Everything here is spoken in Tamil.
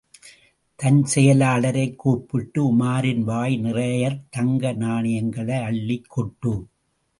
தன் செயலாளரைக் கூப்பிட்டு, உமாரின் வாய் நிறையத் தங்க நாணயங்களை அள்ளிக் கொட்டு.